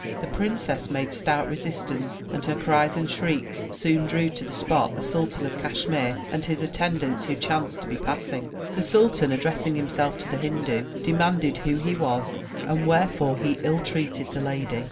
The princess made stout resistance and her cries and shrieks soon drew to the spot the Sultan of Cashmere and his attendants who chanced to be passing. The sultan, addressing himself to the Hindu, demanded who he was and wherefore he ill treated the lady.